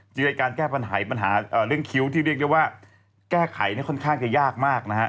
ในการแก้ปัญหาเรื่องคิ้วที่เรียกว่าแก้ไขค่อนข้างจะยากมาก